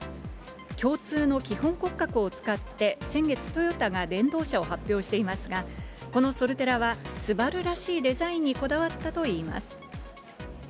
共通の基本骨格を使って、先月トヨタが電動車を発表していますが、このソルテラはＳＵＢＡＲＵらしいデザインにこだわったといいます。